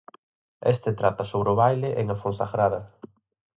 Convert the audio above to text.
Este trata sobre o baile en A Fonsagrada.